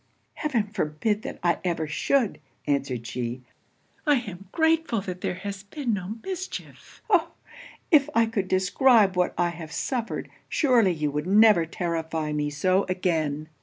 'Heaven forbid that I ever should!' answered she 'I am grateful that there has been no mischief! Oh! if I could describe what I have suffered, surely you would never terrify me so again.'